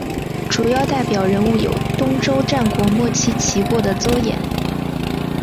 主要代表人物有东周战国末期齐国的邹衍。